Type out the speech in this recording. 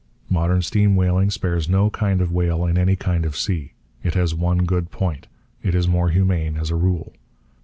Modern steam whaling spares no kind of whale in any kind of sea. It has one good point. It is more humane, as a rule.